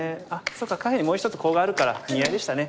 そっか下辺にもう１つコウがあるから見合いでしたね。